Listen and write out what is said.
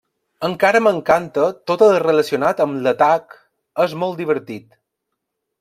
Encara m'encanta tot el relacionat amb l'atac, és molt divertit.